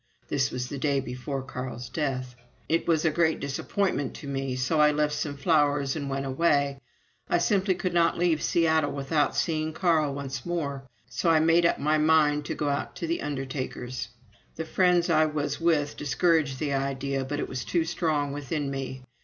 [This was the day before Carl's death.] It was a great disappointment to me, so I left some flowers and went away. ... I simply could not leave Seattle without seeing Carl once more, so I made up my mind to go out to the undertaker's. The friends I was with discouraged the idea, but it was too strong within me.